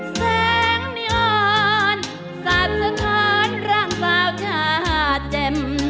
แสงนิอ่อนสาบสะท้อนร่างสาวชาแจ่ม